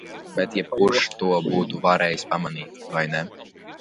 Bet jebkurš to būtu varējis pamanīt, vai ne?